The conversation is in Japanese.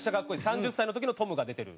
３０歳の時のトムが出てる。